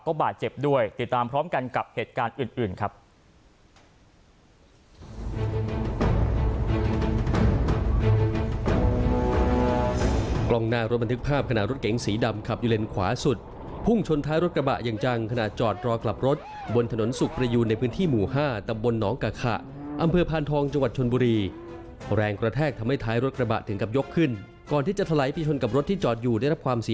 บาดเจ็บด้วยติดตามพร้อมกันกับเหตุการณ์อื่นครับ